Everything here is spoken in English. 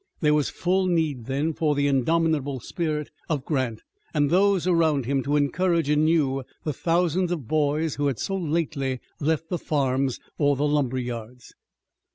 There was full need then for the indomitable spirit of Grant and those around him to encourage anew the thousands of boys who had so lately left the farms or the lumber yards.